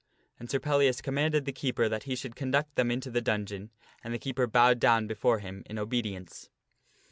And Sir Pellias commanded the keeper that he should conduct them unto the dungeon, and the keeper bowed down before him in obedience.